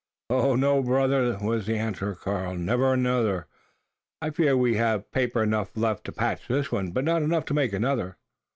"No, brother," was the answer of Karl; "never another, I fear. We have paper enough left to patch this one; but not enough to make another."